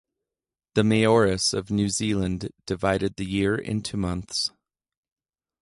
The Maoris of New Zealand divided the year into months.